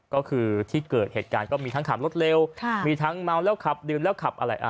ก็คือที่เกิดเหตุการณ์ก็มีทั้งขับรถเร็วมีทั้งเมาแล้วขับดื่มแล้วขับอะไร